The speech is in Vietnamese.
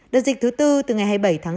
đợt dịch thứ bốn từ ngày hai mươi bảy tháng ba